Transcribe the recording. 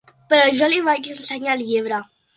Però jo li vaig ensenyar el llibre.